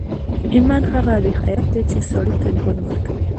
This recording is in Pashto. ایمان هغه آب حیات دی چې سړي ته ژوند ورکوي